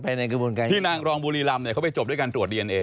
พี่นางรองบุรีรำเนี่ยเขาไปจบด้วยกันตรวจดีเอนเอ